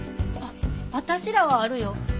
あっ私らはあるよ。